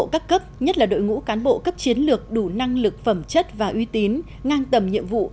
các cấp nhất là đội ngũ cán bộ cấp chiến lược đủ năng lực phẩm chất và uy tín ngang tầm nhiệm vụ